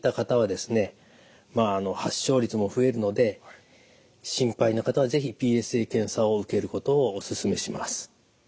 発症率も増えるので心配な方は是非ＰＳＡ検査を受けることをお勧めします。